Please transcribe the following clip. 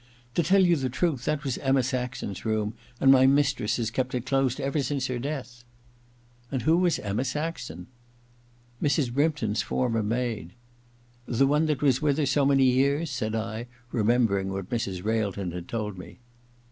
• To tell you the truth, that was Emma Saxon's room, and my mistress has kept it closed ever since her death.' • And who was Emma Saxon ?'• Mrs. Brympton's former maid.' • The one that was nwth her so many years ?' said I, remembering what Mrs. Railton had told me.